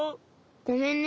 ごめんね。